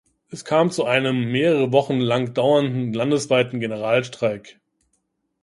Es kam zu einem mehrere Wochen lang dauernden landesweiten Generalstreik.